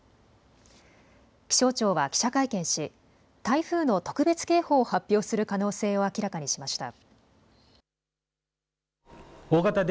気象庁は記者会見し台風の特別警報を発表する可能性を明らかにしました。